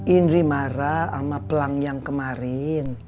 indri marah sama pelang yang kemarin